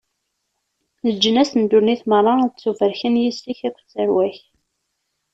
Leǧnas n ddunit meṛṛa ad ttubarken yis-k akked tarwa-k.